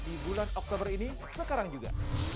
di bulan oktober ini sekarang juga